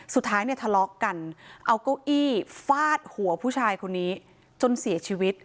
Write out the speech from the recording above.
สุดท้ายเนี่ยทะเลาะกันเอาเก้าอี้ฟาดหัวผู้ชายคนนี้จนเสียชีวิต